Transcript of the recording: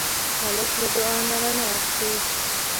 هلک له دعا نه رڼا اخلي.